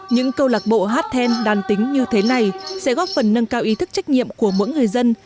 những câu lạc bộ hát then đàn tính như thế này sẽ góp phần nâng cao ý thức trách nhiệm của mỗi người dân